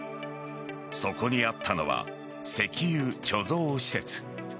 そこにあったのは石油貯蔵施設。